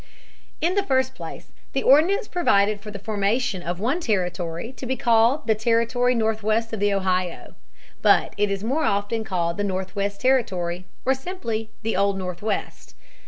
In the first place the ordinance provided for the formation of one territory to be called the Territory Northwest of the Ohio. But it is more often called the Northwest Territory or simply the Old Northwest.